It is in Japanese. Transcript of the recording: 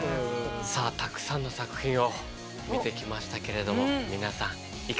さあたくさんの作品を見てきましたけれども皆さんいかがでしたか？